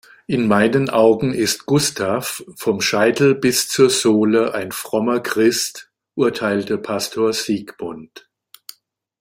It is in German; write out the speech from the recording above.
In meinen Augen ist Gustav vom Scheitel bis zur Sohle ein frommer Christ, urteilte Pastor Sigmund.